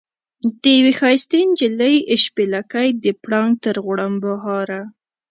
د یوې ښایستې نجلۍ شپېلکی د پړانګ تر غړمبهاره.